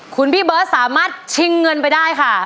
คุณพี่เบิร์ตสามารถชิงเงินไปได้ค่ะ